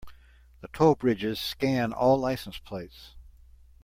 The toll bridges scan all license plates.